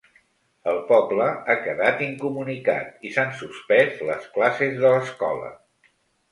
El poble ha quedat incomunicat i s’han suspès les classes de l’escola.